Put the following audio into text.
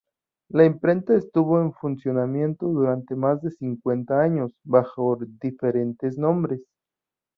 La imprenta estuvo en funcionamiento durante más de cincuenta años, bajo diferentes nombres.